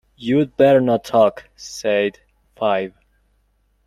‘You’d better not talk!’ said Five.